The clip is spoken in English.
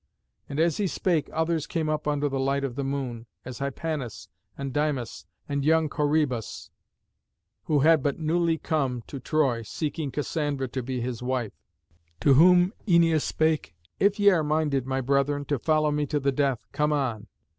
And as he spake others came up under the light of the moon, as Hypanis, and Dymas, and young Corœbus, who had but newly come to Troy, seeking Cassandra to be his wife. To whom Æneas spake: "If ye are minded, my brethren, to follow me to the death, come on.